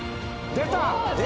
出た！